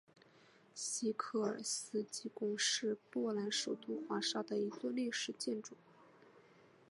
西科尔斯基宫是波兰首都华沙的一座历史建筑。